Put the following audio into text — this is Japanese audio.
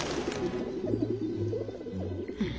うん。